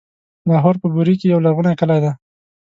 لاهور په بوري کې يو لرغونی کلی دی.